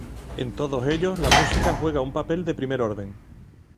En todos ellos la música juega un papel de primer orden.